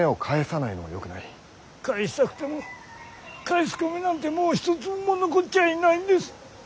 返したくても返す米なんてもう一粒も残っちゃいないんです。